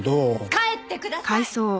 帰ってください！